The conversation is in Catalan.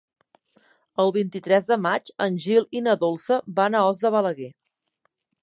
El vint-i-tres de maig en Gil i na Dolça van a Os de Balaguer.